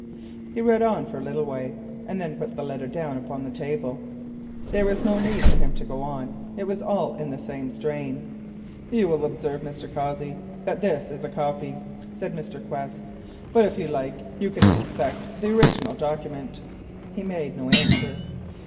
He read on for a little way and then put the letter down upon the table. There was no need for him to go further, it was all in the same strain. "You will observe, Mr. Cossey, that this is a copy," said Mr. Quest, "but if you like you can inspect the original document." He made no answer.